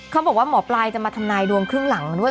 เขาบอกว่าหมอปลายจะมาทำนายดวงครึ่งหลังด้วย